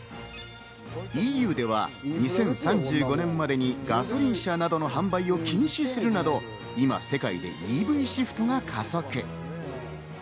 ＥＵでは２０３５年までにガソリン車などの販売を禁止するなど、今、世界でＥＶシフトが加速。